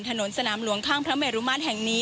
ถนนสนามหลวงข้างพระเมรุมาตรแห่งนี้